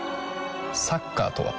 サッカーとは？